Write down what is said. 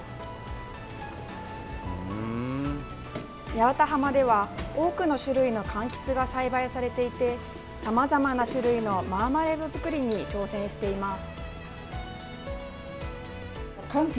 八幡浜では多くの種類のかんきつが栽培されていてさまざまな種類のマーマレード作りに挑戦しています。